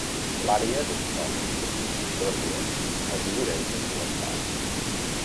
L'àrea dins del municipi d'Oslo es divideix en dues parts.